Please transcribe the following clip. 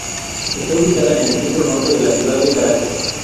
Está ubicada en el centro-norte de la ciudad de Caracas.